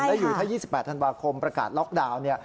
ได้อยู่ทั้ง๒๘ธันวาคมประกาศล็อกดาวน์